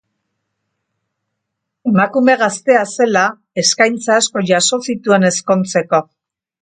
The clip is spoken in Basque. Emakume gaztea zela eskaintza asko jaso zituen ezkontzeko.